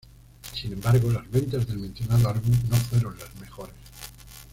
Sin embargo, las ventas del mencionado álbum no fueron las mejores.